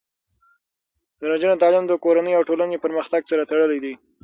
د نجونو تعلیم د کورنیو او ټولنې پرمختګ سره تړلی دی.